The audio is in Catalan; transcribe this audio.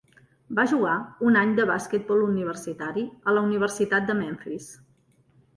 Va jugar un any de basquetbol universitari a la Universitat de Memphis.